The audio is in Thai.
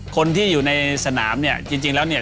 คนที่อยู่ในสนามเนี่ยจริงแล้วเนี่ย